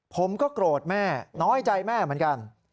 ผมก็โกรธแม่น้อยใจแม่เหมือนกัน